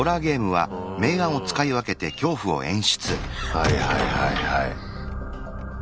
はいはいはいはい。